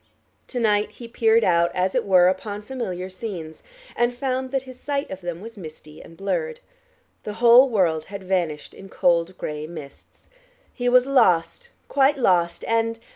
To night he peered out, as it were upon familiar scenes, and found that his sight of them was misty and blurred. The whole world had vanished in cold gray mists. He was lost, quite lost, and